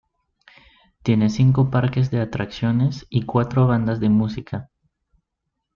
Tiene cinco parques de atracciones y cuatro bandas de música.